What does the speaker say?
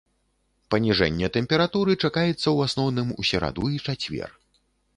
Паніжэнне тэмпературы чакаецца ў асноўным у сераду і чацвер.